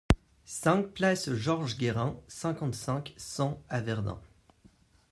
cinq place Georges Guérin, cinquante-cinq, cent à Verdun